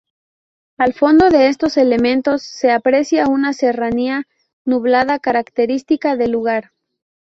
Al fondo de estos elementos se aprecia una serranía nublada característica del lugar.